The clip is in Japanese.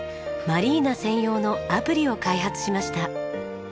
マリーナ専用のアプリを開発しました。